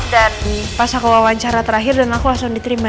dan pas aku wawancara terakhir dan aku langsung diterima